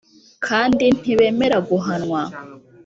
Kandi ntibemera guhanwa